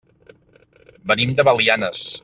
Venim de Belianes.